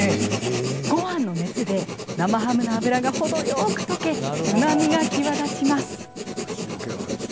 ごはんの熱で生ハムの脂が程よく溶けうまみが際立ちます。